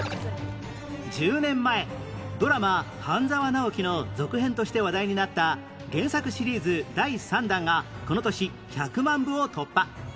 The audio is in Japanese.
１０年前ドラマ『半沢直樹』の続編として話題になった原作シリーズ第３弾がこの年１００万部を突破